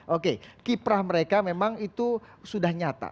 oke kiprah mereka memang itu sudah nyata